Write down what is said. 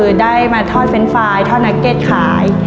คือได้มาทอดเฟรนด์ไฟล์ทอดนักเก็ตขาย